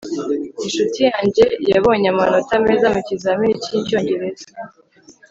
inshuti yanjye yabonye amanota meza mukizamini cyicyongereza